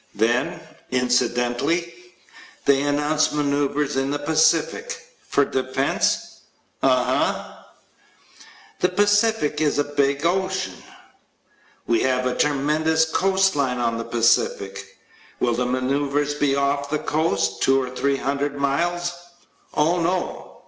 Then, incidentally, they announce maneuvers in the Pacific. For defense. Uh, huh. The Pacific is a great big ocean. We have a tremendous coastline on the Pacific. Will the maneuvers be off the coast, two or three hundred miles? Oh, no.